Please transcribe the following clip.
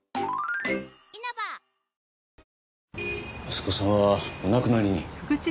息子さんはお亡くなりに。